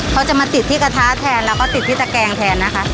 เขาจะมาติดที่กระทะแทนแล้วก็ติดที่ตะแกงแทนนะคะ